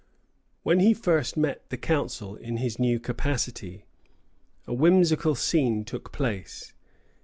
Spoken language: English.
When he first met the Council in his new capacity, a whimsical scene took place.